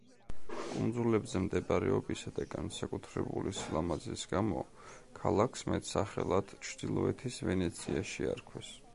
კუნძულებზე მდებარეობისა და განსაკუთრებული სილამაზის გამო, ქალაქს მეტსახელად „ჩრდილოეთის ვენეცია“ შეარქვეს.